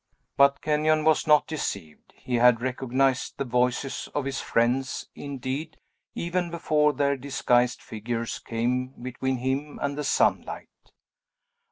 But Kenyon was not deceived; he had recognized the voices of his friends, indeed, even before their disguised figures came between him and the sunlight.